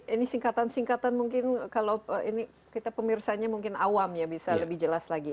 ini singkatan singkatan mungkin kalau ini kita pemirsanya mungkin awam ya bisa lebih jelas lagi